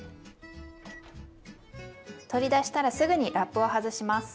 取り出したらすぐにラップを外します。